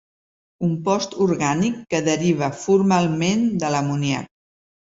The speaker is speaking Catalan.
Compost orgànic que deriva formalment de l'amoníac.